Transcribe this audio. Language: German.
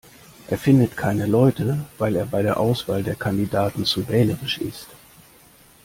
Er findet keine Leute, weil er bei der Auswahl der Kandidaten zu wählerisch ist.